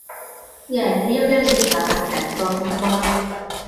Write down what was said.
Ie, fi yw'r gynulleidfa darged, fel ti'n gwybod.